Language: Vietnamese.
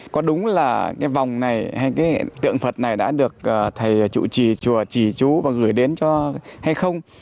có đúng là cái vòng này hay cái hiện tượng phật này đã được thầy chủ trì chùa trì chú và gửi đến cho hay không